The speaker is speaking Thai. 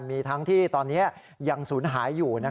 มีทั้งที่ตอนนี้ยังสูญหายอยู่